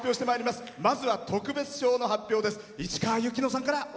まずは特別賞の発表です。